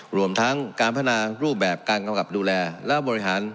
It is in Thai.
รวมทั้งการพัฒนารูปแบบการกำกับดูแลและบริหาร